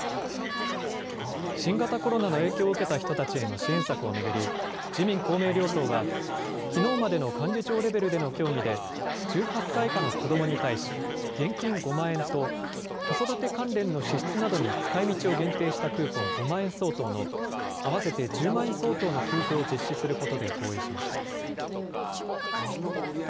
新型コロナの影響を受けた人たちへの支援策を巡り、自民、公明両党は、きのうまでの幹事長レベルでの協議で、１８歳以下の子どもに対し、現金５万円と、子育て関連の支出などに使いみちを限定したクーポン５万円相当の合わせて１０万円相当の給付を実施することで合意しました。